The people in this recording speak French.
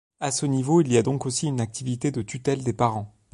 À ce niveau il y a donc aussi une activité de tutelle des parents.